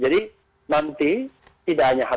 jadi nanti tidak hanya hti